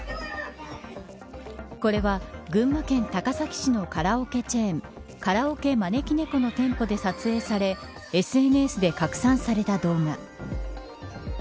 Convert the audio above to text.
これは、群馬県高崎市のカラオケチェーンカラオケまねきねこの店舗で撮影されＳＮＳで拡散された動画。